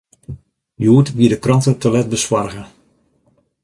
Hjoed wie de krante te let besoarge.